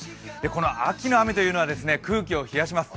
この秋の雨というのは空気を冷やします。